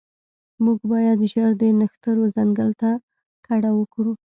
موږ باید ژر د نښترو ځنګل ته کډه وکړو